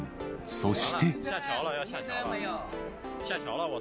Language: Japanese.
そして。